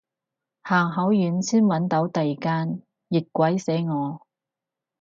行好遠先搵到第間，熱鬼死我